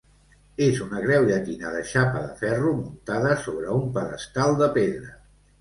És una creu llatina de xapa de ferro muntada sobre un pedestal de pedra.